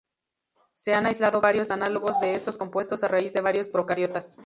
Se han aislado varios análogos de estos compuestos a raíz de varios procariotas.